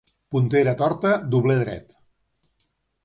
Puntera torta, dobler dret.